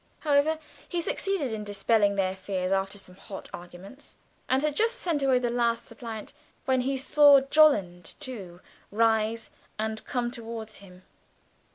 However, he succeeded in dispelling their fears after some hot arguments, and had just sent away the last suppliant, when he saw Jolland too rise and come towards him.